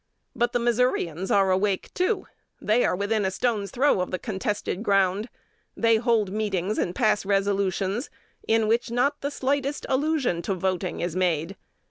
But the Missourians are awake too. They are within a stone's throw of the contested ground. They hold meetings and pass resolutions, in which not the slightest allusion to voting is made.